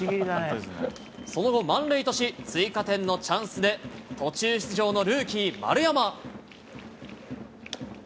その後、満塁とし、追加点のチャンスで途中出場のルーキー、丸山。